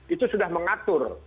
itu sudah mengatur